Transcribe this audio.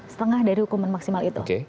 setengah dari hukuman maksimal itu